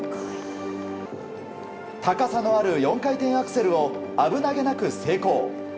高さのある４回転アクセルを危なげなく成功。